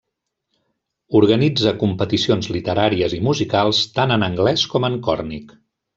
Organitza competicions literàries i musicals tant en anglès com en còrnic.